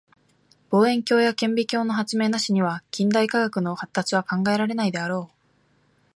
望遠鏡や顕微鏡の発明なしには近代科学の発達は考えられないであろう。